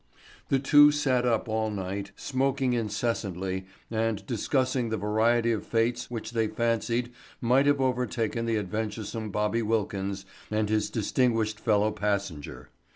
The two sat up all night, smoking incessantly and discussing the variety of fates which they fancied might have overtaken the adventuresome Bobby Wilkins and his distinguished fellow passenger.